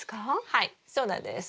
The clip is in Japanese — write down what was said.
はいそうなんです。